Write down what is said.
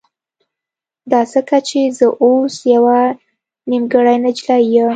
دا ځکه چې زه اوس يوه نيمګړې نجلۍ يم.